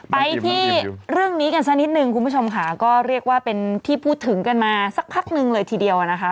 ไปที่เรื่องนี้กันสักนิดนึงคุณผู้ชมค่ะก็เรียกว่าเป็นที่พูดถึงกันมาสักพักหนึ่งเลยทีเดียวนะคะ